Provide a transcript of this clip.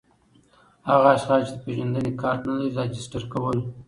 هغه اشخاص چي د پېژندني کارت نلري راجستر کول